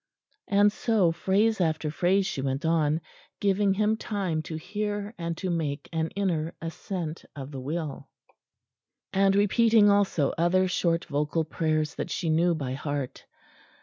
And so phrase after phrase she went on, giving him time to hear and to make an inner assent of the will; and repeating also other short vocal prayers that she knew by heart.